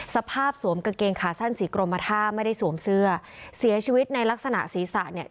สวมกางเกงขาสั้นสีกรมท่าไม่ได้สวมเสื้อเสียชีวิตในลักษณะศีรษะเนี่ย